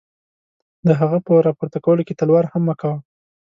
د هغه په را پورته کولو کې تلوار هم مه کوه.